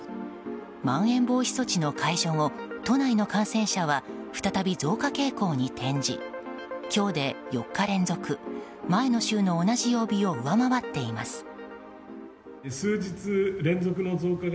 まん延防止措置の解除後都内の感染者は再び増加傾向に転じ今日で４日連続前の週の同じ曜日を上回っています。